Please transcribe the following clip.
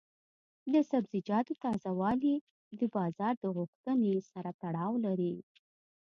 د سبزیجاتو تازه والي د بازار د غوښتنې سره تړاو لري.